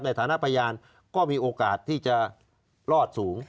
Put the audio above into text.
ในฐานะพยานก็มีโอกาสที่จะรอดสูง